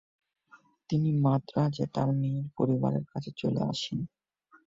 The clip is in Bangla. তিনি মাদ্রাজে তার মেয়ের পরিবারের কাছে চলে আসেন।